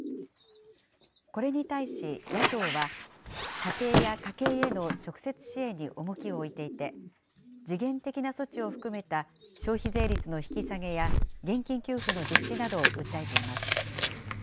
これに対し、野党は、家庭や家計への直接支援に重きを置いていて、時限的な措置を含めた消費税率の引き下げや現金給付の実施などを訴えています。